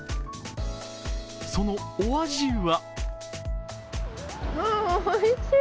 そのお味は？